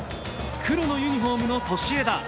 黒のユニホームのソシエダ。